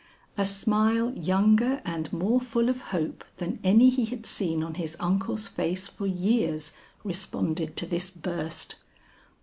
A smile younger and more full of hope than any he had seen on his uncle's face for years, responded to this burst.